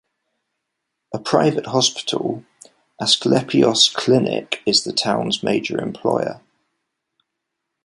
A private hospital, Asklepios Klinik, is the town's major employer.